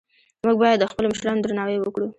موږ باید د خپلو مشرانو درناوی وکړو